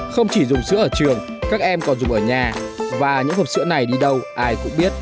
không chỉ dùng sữa ở trường các em còn dùng ở nhà và những hộp sữa này đi đâu ai cũng biết